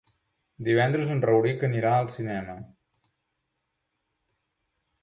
Divendres en Rauric anirà al cinema.